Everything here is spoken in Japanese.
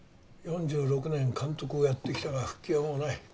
４６年監督をやってきたが復帰はもうない。